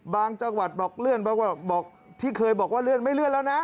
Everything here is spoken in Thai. บางจังหวัดบอกเลื่อนบอกว่าเลื่อนไม่เลื่อนแล้วนะ